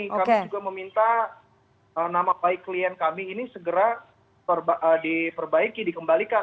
kami juga meminta nama baik klien kami ini segera diperbaiki dikembalikan